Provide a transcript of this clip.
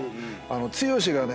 剛がね